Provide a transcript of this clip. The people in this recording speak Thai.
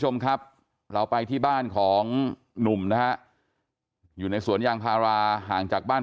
คุณผู้ชมครับเราไปที่บ้านของหนุ่มนะฮะอยู่ในสวนยางพาราห่างจากบ้าน